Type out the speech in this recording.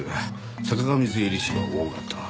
坂上税理士はＯ型。